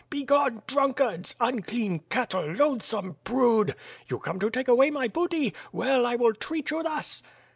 "Begone, drunkards, unclean cattle, loathsome brood! You come to take away my booty, well T will treat you thus!"